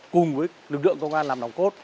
cùng với lực lượng công an làm đồng cốt